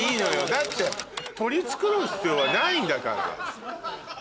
だって取り繕う必要はないんだから。